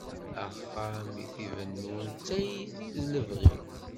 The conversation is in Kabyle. Axxam i t-ibennun d tayri d lebɣi.